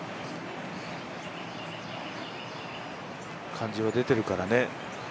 感じは出てるからね。